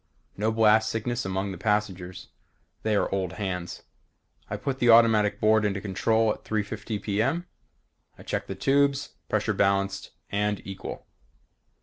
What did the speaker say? No blast sickness among the passengers. They are old hands. I put the automatic board into control at 3:50 p. m. I checked the tubes. Pressures balanced and equal.